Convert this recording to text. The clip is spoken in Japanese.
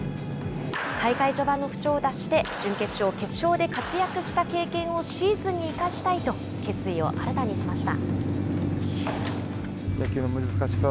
大会序盤の不調を脱して準決勝、決勝で活躍した経験をシーズンに生かしたいと、決意を新たにしました。